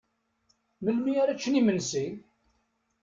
Melmi ara ččen imensi?